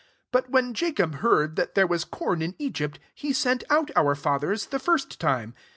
12 But when Jacob heard that there was com in Egypt, he sent out our fathers the first time.